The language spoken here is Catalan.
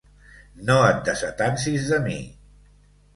No et desatansis de mi.